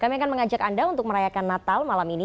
kami akan mengajak anda untuk merayakan natal malam ini